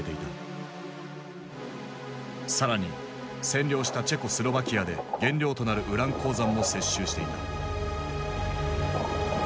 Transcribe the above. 更に占領したチェコスロバキアで原料となるウラン鉱山も接収していた。